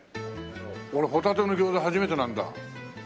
俺ホタテの餃子初めてなんだ。